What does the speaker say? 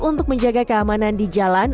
untuk menjaga keamanan di jalan